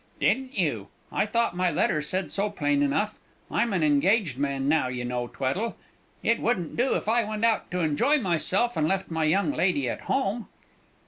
"Didn't you? I thought my letter said so plain enough. I'm an engaged man now, you know, Tweddle. It wouldn't do if I went out to enjoy myself and left my young lady at home!"